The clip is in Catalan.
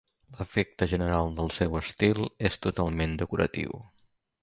L'efecte general del seu estil és totalment decoratiu.